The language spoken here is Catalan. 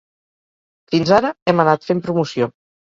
Fins ara hem anat fent promoció.